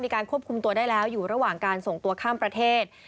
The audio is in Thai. การควบคุมตัวได้แล้วอยู่ระหว่างการส่งตัวข้ามประเทศ